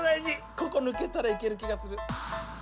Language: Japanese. ここ抜けたらいける気がする。